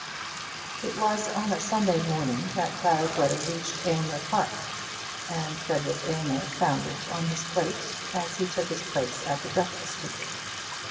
It was on a Sunday morning that Clara's letter reached Aylmer Park, and Frederic Aylmer found it on his plate as he took his place at the breakfast table.